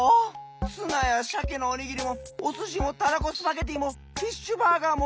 ツナやしゃけのおにぎりもおすしもたらこスパゲティーもフィッシュバーガーも！